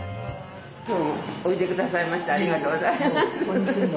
今日もおいでくださいましてありがとうございます。